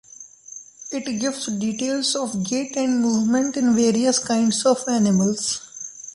It gives details of gait and movement in various kinds of animals.